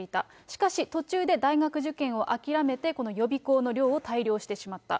しかし途中で大学受験を諦めて、この予備校の寮を退寮してしまった。